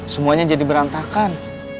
semuanya jadi berantakan